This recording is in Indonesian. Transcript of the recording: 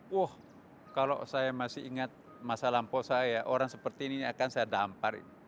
wah kalau saya masih ingat masa lampau saya orang seperti ini akan saya dampar ini